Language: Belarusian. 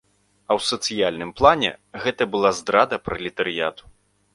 А ў сацыяльным плане гэта была здрада пралетарыяту.